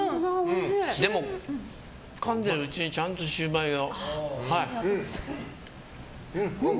でも、かんでるうちにちゃんとシウマイの。